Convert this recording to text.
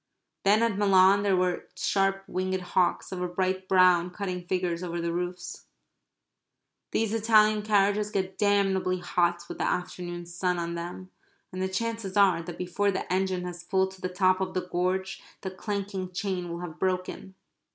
Then at Milan there were sharp winged hawks, of a bright brown, cutting figures over the roofs. These Italian carriages get damnably hot with the afternoon sun on them, and the chances are that before the engine has pulled to the top of the gorge the clanking chain will have broken.